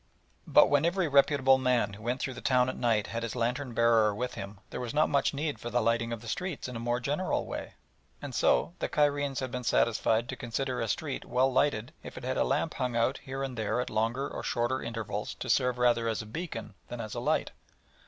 But when every reputable man who went through the town at night had his lantern bearer with him there was not much need for the lighting of the streets in a more general way, and so the Cairenes had been satisfied to consider a street well lighted if it had a lamp hung out here and there at longer or shorter intervals to serve rather as a beacon than as a light.